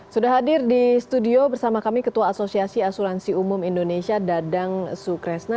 sudah hadir di studio bersama kami ketua asosiasi asuransi umum indonesia dadang sukresna